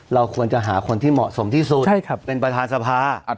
เราควรจะหาคนที่เหมาะสมที่สุดเป็นประธานสภา